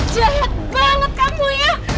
jahat banget kamu ya